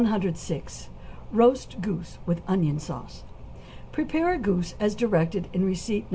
=Roast Goose with Onion Sauce.= Prepare a goose as directed in receipt No.